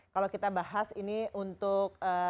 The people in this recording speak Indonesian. kalau kita bahas ini untuk